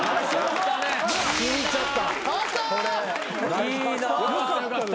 いいな。